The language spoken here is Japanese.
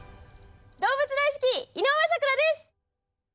動物大好き井上咲楽です！